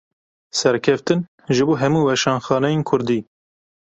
Serkeftin ji bo hemû weşanxaneyên kurdî.